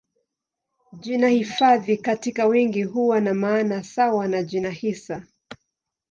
Jina hifadhi katika wingi huwa na maana sawa na jina hisa.